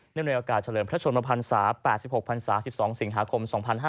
เนื่องด้วยโอกาสเฉลิมพระชนมพันษา๘๖พันษา๑๒สิงหาคม๒๕๖๑